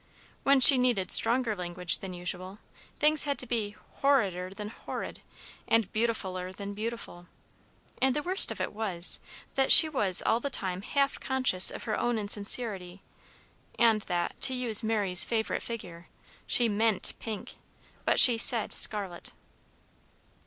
When she needed stronger language than usual, things had to be "horrider" than horrid, and "beautifuller" than beautiful. And the worst of it was, that she was all the time half conscious of her own insincerity, and that, to use Mary's favorite figure, she meant pink, but she said scarlet.